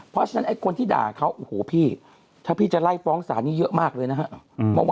เพราะฉะนั้นไอ้คนที่ด่าเขาโอ้โหพี่ถ้าพี่จะไล่ฟ้องศาลนี้เยอะมากเลยนะฮะ